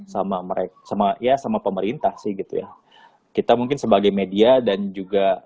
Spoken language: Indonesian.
sama mereka sama ya sama pemerintah sih gitu ya kita mungkin sebagai media dan juga